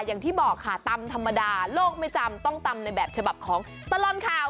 อย่างที่บอกค่ะตำธรรมดาโลกไม่จำต้องตำในแบบฉบับของตลอดข่าว